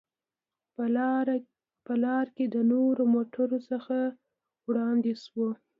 په لار کې له نورو موټرو څخه وړاندې شوو.